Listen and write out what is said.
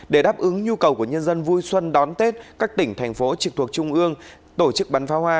để đáp ứng nhu cầu của nhân dân vui xuân đón tết các tỉnh thành phố trực thuộc trung ương tổ chức bắn pháo hoa